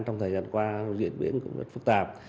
trong thời gian qua diễn biến cũng rất phức tạp